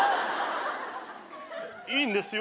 いいんですよ？